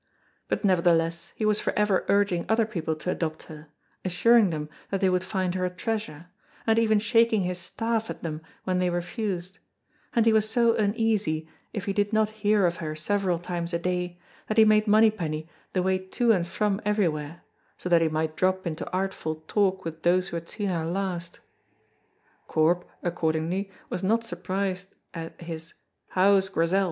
But nevertheless he was forever urging other people to adopt her, assuring them that they would find her a treasure, and even shaking his staff at them when they refused; and he was so uneasy if he did not hear of her several times a day that he made Monypenny the way to and from everywhere, so that he might drop into artful talk with those who had seen her last. Corp, accordingly, was not surprised at his "How is Grizel?"